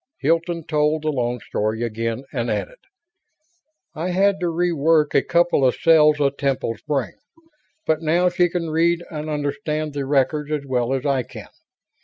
Hilton told the long story again, and added: "I had to re work a couple of cells of Temple's brain, but now she can read and understand the records as well as I can.